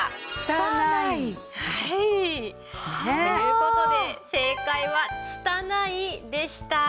「つたない」。という事で正解は「つたない」でした。